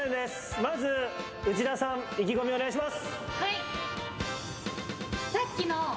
まず内田さん意気込みをお願いします。